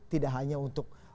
tidak hanya untuk